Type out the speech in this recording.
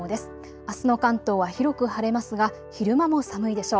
あすの関東は広く晴れますが昼間も寒いでしょう。